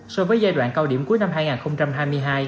so với giai đoạn cao điểm cuối năm hai nghìn hai mươi hai